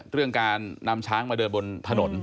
เรื่องการนำช้างมาเดินบนถนน